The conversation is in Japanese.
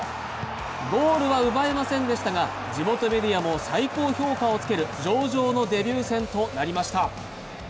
ゴールは奪えませんでしたが、地元メディアも最高評価をつける上々のデビュー戦となりました。